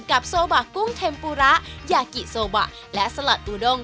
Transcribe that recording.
โซบะกุ้งเทมปูระยากิโซบะและสลัดอูด้ง